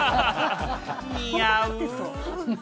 似合う。